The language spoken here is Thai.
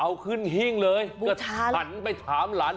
เอาขึ้นหิ้งเลยก็หันไปถามหลาน